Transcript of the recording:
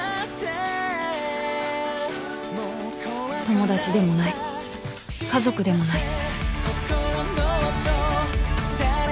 ［友達でもない家族でもない］